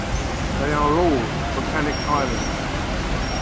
They are all volcanic islands.